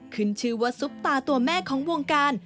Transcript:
ขึ้นชื่อว่าซุปตาตัวแม่ของวงการ